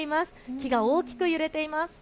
木が大きく揺れています。